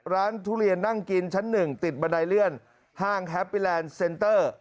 ทุเรียนนั่งกินชั้น๑ติดบันไดเลื่อนห้างแฮปปี้แลนด์เซ็นเตอร์